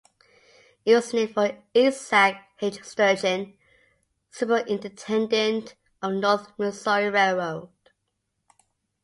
It was named for Isaac H. Sturgeon, superintendent of the North Missouri Railroad.